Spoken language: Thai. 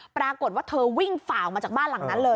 ปรากฏว่าเธอวิ่งฝ่าออกมาจากบ้านหลังนั้นเลย